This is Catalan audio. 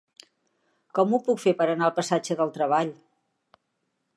Com ho puc fer per anar al passatge del Treball?